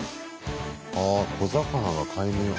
あ小魚が海面を。